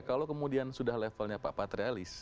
kalau kemudian sudah levelnya pak patrialis